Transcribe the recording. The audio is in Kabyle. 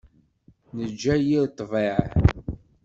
Nejja yir ḍḍbayeɛ.